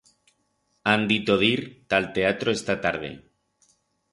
Han dito d'ir ta'l teatro esta tarde.